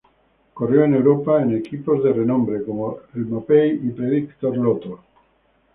Corrió en Europa en equipos de renombre como el Mapei y Predictor-Lotto.